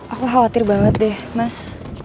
aku khawatir banget deh mas